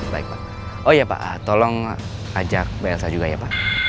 baik pak oh iya pak tolong ajak blsa juga ya pak